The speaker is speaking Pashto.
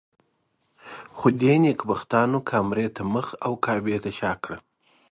خو دې نېکبختانو کامرې ته مخ او کعبې ته شا کړه.